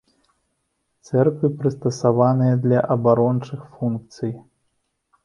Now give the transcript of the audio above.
Цэрквы прыстасаваныя для абарончых функцый.